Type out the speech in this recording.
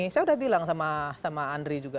saya udah bilang sama andri juga